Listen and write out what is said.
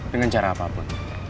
dengan cara apapun